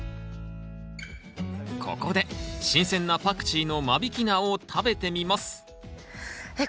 ここで新鮮なパクチーの間引き菜を食べてみますえっ